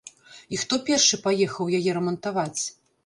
І хто першы паехаў яе рамантаваць?